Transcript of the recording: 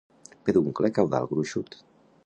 Peduncle caudal gruixut.